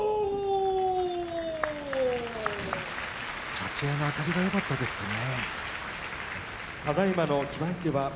立ち合いのあたりがよかったですかね。